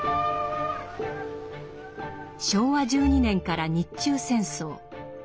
昭和１２年から日中戦争